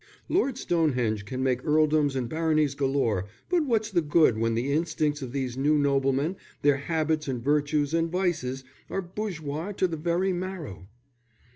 "Lord Stonehenge can make earldoms and baronies galore, but what's the good when the instincts of these new noblemen, their habits and virtues and vices, are bourgeois to the very marrow!"